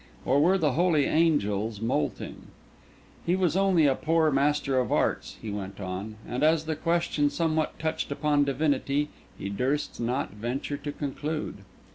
or were the holy angels moulting? He was only a poor Master of Arts, he went on; and as the question somewhat touched upon divinity, he durst not venture to conclude.